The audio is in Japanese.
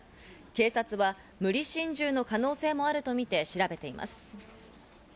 警察は無理心中の可能性もあるとみて調べています。